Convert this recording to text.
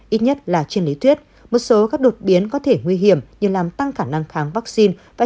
ít nhất là trên lý thuyết một số các đột biến có thể nguy hiểm như làm tăng khả năng kháng vaccine và